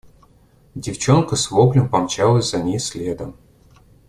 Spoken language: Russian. Девчонка с воплем помчалась за ней следом.